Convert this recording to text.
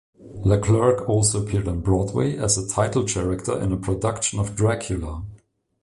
LeClerc also appeared on Broadway as the title character in a production of "Dracula".